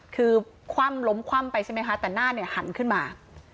คือคว่ำล้มคว่ำไปใช่ไหมคะแต่หน้าเนี่ยหันขึ้นมา